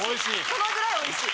そのぐらいおいしい。